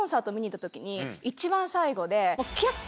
一番最後で。